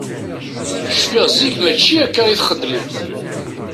Cfiɣ zik mačči akka i t-xeddmen.